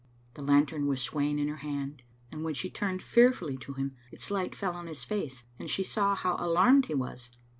The lantern was swaying in her hand, and when she turned fearfully to him its light fell on his face, and she saw how alarmed he was.